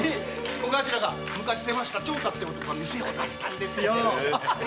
小頭が昔世話した長太って男が店を出したんです。